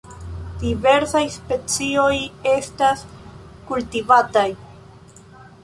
Diversaj specioj estas kultivataj.